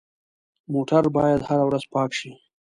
موټر باید هره ورځ پاک شي.